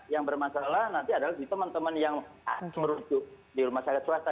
yang bermasalah nanti adalah di teman teman yang merujuk di rumah sakit swasta